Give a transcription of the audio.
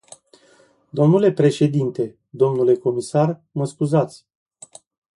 Dle președinte, dle comisar, mă scuzați.